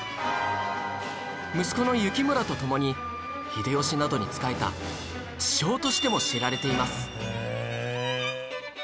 息子の幸村とともに秀吉などに仕えた知将としても知られています